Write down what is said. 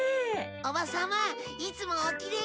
おば様いつもおきれいで。